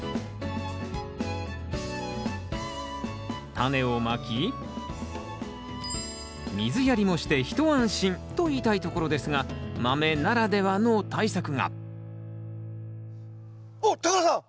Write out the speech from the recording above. タネをまき水やりもして一安心と言いたいところですがマメならではの対策があっ田さん！